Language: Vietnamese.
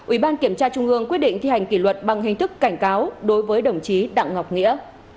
ủy ban kiểm tra trung ương quyết định thi hành kỷ luật bằng hình thức cảnh cáo đối với đồng chí đặng ngọc nghĩa